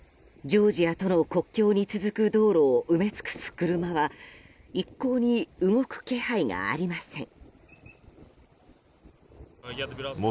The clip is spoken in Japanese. ジョージアとの国境に続く道路を埋め尽くす車は一向に動く気配がありません。